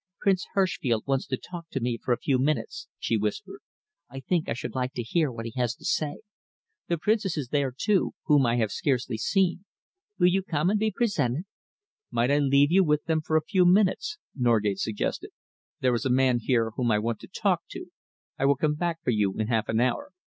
"Prince Herschfeld wants to talk to me for a few minutes," she whispered. "I think I should like to hear what he has to say. The Princess is there, too, whom I have scarcely seen. Will you come and be presented?" "Might I leave you with them for a few minutes?" Norgate suggested. "There is a man here whom I want to talk to. I will come back for you in half an hour."